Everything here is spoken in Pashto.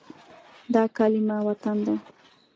دا کلمه “وطن” ده.